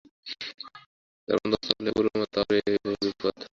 তার বন্দোবস্তও হল পূর্বের মতো, আবার এল সেই বিপদ।